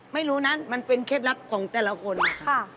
ไม่รู้นะมันเป็นเคล็ดลับของแต่ละคนค่ะ